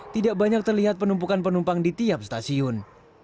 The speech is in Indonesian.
tidak banyak terlihat penumpukan penumpang di tiap stasiun